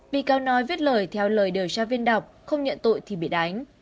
bị cáo nói viết lời theo lời điều tra viên đọc không nhận tội thì bị đánh